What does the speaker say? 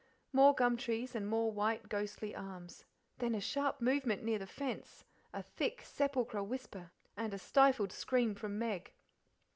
More gum trees, and more white, ghostly arms; then a sharp movement near the fence, a thick, sepulchral whisper, and a stifled scream from Meg.